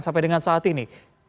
sampai dengan saat ini